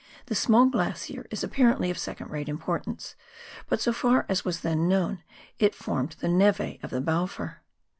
This small glacier is apparently of second rate importance, but so far as was then known, it formed the nete of the Balfour.